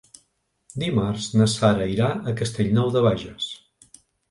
Dimarts na Sara irà a Castellnou de Bages.